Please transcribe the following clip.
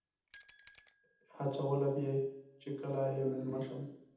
هڅولم چې کله یې میلمه شم.